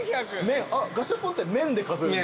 ガシャポンって面で数えるんですか？